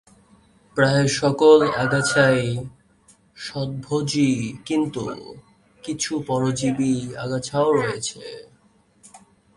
প্রায় সকল আগাছাই স্বভোজী কিন্তু কিছু পরজীবী আগাছাও রয়েছে।